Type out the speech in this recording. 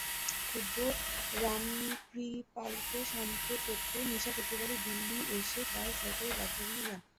ক্ষুব্ধ রামকৃপালকে শান্ত করতে মিশা শুক্রবারই দিল্লি এসে তাঁর সরকারি বাসভবনে যান।